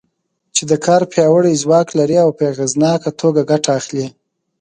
چې د کار پیاوړی ځواک لري او په اغېزناکه توګه ګټه اخلي.